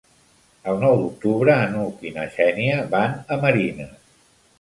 El nou d'octubre n'Hug i na Xènia van a Marines.